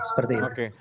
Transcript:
seperti itu oke